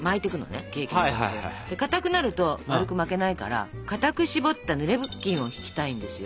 でかたくなると丸く巻けないからかたく絞ったぬれ布巾を敷きたいんですよ。